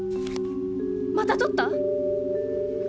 またとった！